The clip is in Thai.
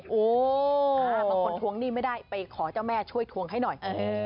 โอ้โหบางคนทวงหนี้ไม่ได้ไปขอเจ้าแม่ช่วยทวงให้หน่อย